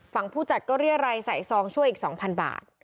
ผู้จัดก็เรียรัยใส่ซองช่วยอีก๒๐๐บาท